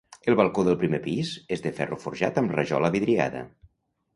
El balcó del primer pis és de ferro forjat amb rajola vidriada.